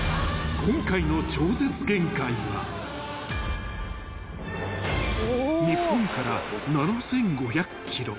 ［今回の『超絶限界』は日本から７，５００ｋｍ